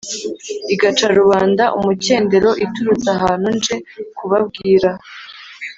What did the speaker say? Igaca rubanda umukendero Iturutse ahantu nje kubabwira.